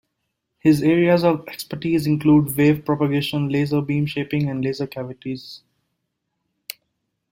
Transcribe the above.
His areas of expertise include wave propagation, laser beam shaping and laser cavities.